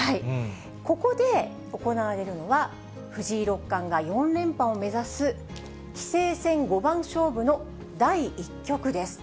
ここで行われるのは、藤井六冠が４連覇を目指す、棋聖戦五番勝負の第１局です。